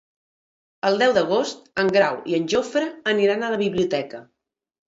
El deu d'agost en Grau i en Jofre aniran a la biblioteca.